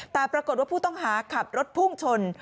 แต่ปรากฏว่าผู้ต้องหาขับรถพุ่งชน